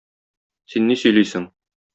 Син ни сөйлисең?